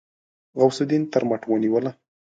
غوث الدين تر مټ ونيوله.